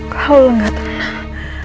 kau gak tenang